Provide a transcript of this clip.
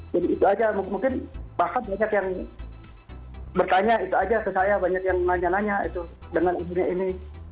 itu aja mungkin bahkan banyak yang bertanya itu aja ke saya banyak yang nanya nanya itu dengan isunya ini